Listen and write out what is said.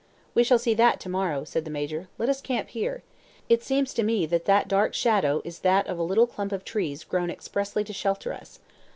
"We shall see that to morrow," said the Major, "Let us camp here. It seems to me that that dark shadow is that of a little clump of trees grown expressly to shelter us.